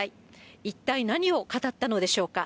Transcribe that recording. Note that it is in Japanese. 一体何を語ったのでしょうか。